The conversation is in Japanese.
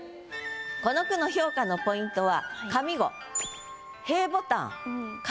この句の評価のポイントは上五。